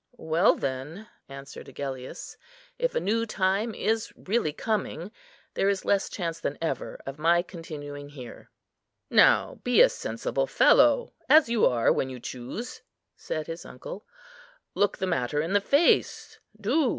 "Well, then," answered Agellius, "if a new time is really coming, there is less chance than ever of my continuing here." "Now be a sensible fellow, as you are when you choose," said his uncle; "look the matter in the face, do.